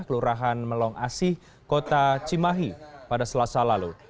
kelurahan melong asih kota cimahi pada selasa lalu